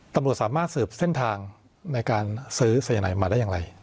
ตำรวจสามารถสืบเส้นทางในการซื้อสายนายมาได้อย่างไร